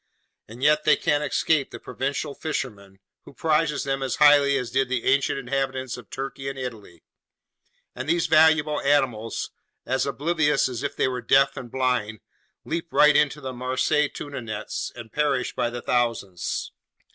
And yet they can't escape the Provençal fishermen, who prize them as highly as did the ancient inhabitants of Turkey and Italy; and these valuable animals, as oblivious as if they were deaf and blind, leap right into the Marseilles tuna nets and perish by the thousands.